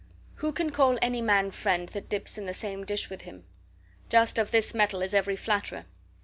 Who can call any man friend that dips in the same dish with him? Just of this metal is every flatterer.